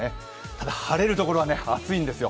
ただ晴れるところは暑いんですよ。